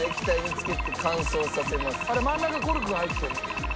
「あれ真ん中コルクが入ってる」